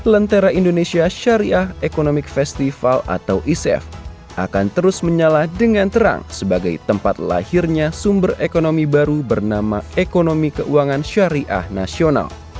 lentera indonesia syariah economic festival atau ic akan terus menyala dengan terang sebagai tempat lahirnya sumber ekonomi baru bernama ekonomi keuangan syariah nasional